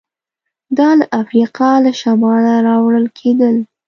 دا له افریقا له شماله راوړل کېدل